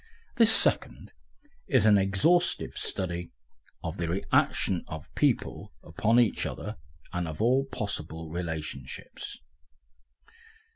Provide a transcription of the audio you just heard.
This second is an exhaustive study of the reaction of people upon each other and of all possible relationships.